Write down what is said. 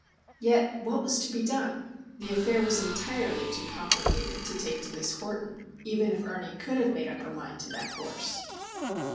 Yet what was to be done? The affair was entirely too complicated to take to Miss Horton, even if Ernie could have made up her mind to that course.